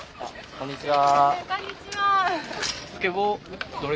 こんにちは。